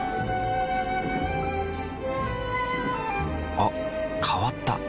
あ変わった。